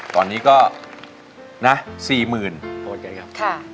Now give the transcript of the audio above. ตอนนี้ก็นะ๔๐๐๐๐ต้อนจ่ายครับ